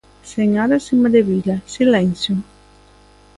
Señora Cimadevila, silencio.